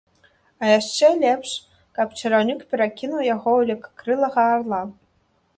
А яшчэ лепш, каб чараўнік перакінуў яго ў легкакрылага арла.